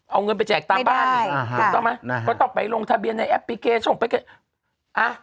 เอาเงินไปแจกตามบ้านก็ต้องไปลงทะเบียนในแอปพลิเคชัน